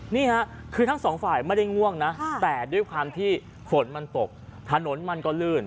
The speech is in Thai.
นี่ค่ะคือทั้งสองฝ่ายไม่ได้ง่วงนะแต่ด้วยความที่ฝนมันตกถนนมันก็ลื่น